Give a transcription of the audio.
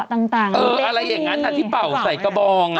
อะไรอย่างนั้นนะที่เปาใส่กบอง